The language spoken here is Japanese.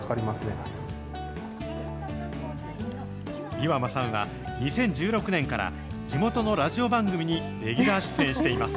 岩間さんは、２０１６年から地元のラジオ番組にレギュラー出演しています。